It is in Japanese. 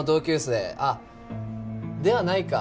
あっではないか。